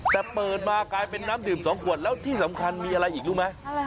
แต่เปิดมากลายเป็นน้ำดื่ม๒ขวดแล้วที่สำคัญมีอะไรอีกรู้ไหม